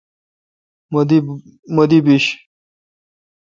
مہ دی بیش۔